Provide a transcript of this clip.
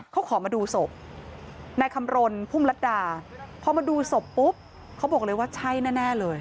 เขาขอมาดูศพนายคำรณพุ่มรัฐดาพอมาดูศพปุ๊บเขาบอกเลยว่าใช่แน่เลย